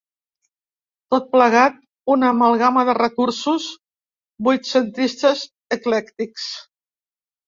Tot plegat, una amalgama de recursos vuitcentistes eclèctics.